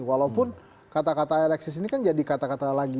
walaupun kata kata alexis ini kan jadi kata kata lagi